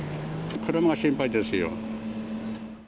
車が心配ですよ。